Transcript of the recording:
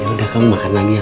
ya udah kamu makan lagi ya